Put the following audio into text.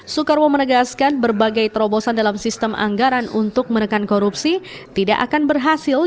soekarwo menegaskan berbagai terobosan dalam sistem anggaran untuk menekan korupsi tidak akan berhasil